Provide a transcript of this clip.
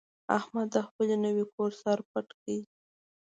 احمد د خپل نوي کور سر پټ کړ.